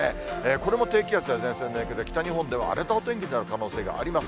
これも低気圧や前線の影響で、北日本では荒れたお天気になる可能性があります。